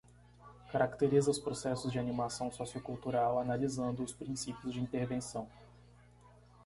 Caracteriza os processos de animação sociocultural, analisando os princípios de intervenção.